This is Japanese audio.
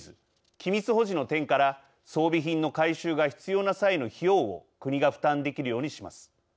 機密保持の点から装備品の改修が必要な際の費用を国が負担できるようにします。